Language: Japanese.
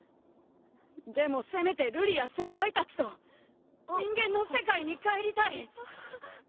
でもせめて瑠璃や先輩たちと人間の世界に帰りたい！